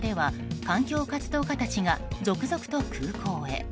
オランダでは環境活動家たちが続々と空港へ。